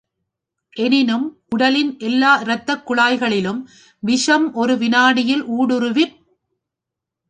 எனினும் உடலின் எல்லா இரத்தக் குழாய்களிலும் விஷம் ஒரு வினாடியில் ஊடுருவிப்.